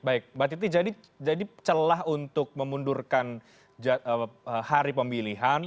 baik mbak titi jadi celah untuk memundurkan hari pemilihan